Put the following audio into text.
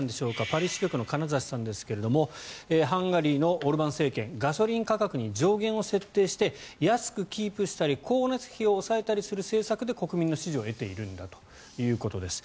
パリ支局の金指さんですがハンガリーのオルバン政権ガソリン価格に上限を設定して安くキープしたり光熱費を抑えたりする政策で国民の支持を得ているんだということです。